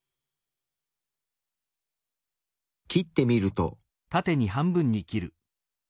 切ってみると。